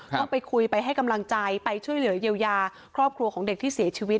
ต้องไปคุยไปให้กำลังใจไปช่วยเหลือเยียวยาครอบครัวของเด็กที่เสียชีวิต